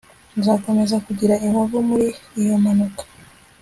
Nzakomeza kugira inkovu muri iyo mpanuka